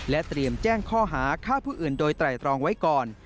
เตรียมแจ้งข้อหาฆ่าผู้อื่นโดยไตรตรองไว้ก่อน